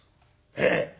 ええ。